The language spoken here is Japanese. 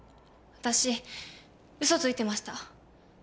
私嘘ついてました。